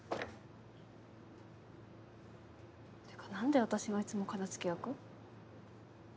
ってか何で私がいつも片付け役？